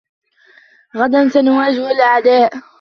غداً سنواجه الأعداء.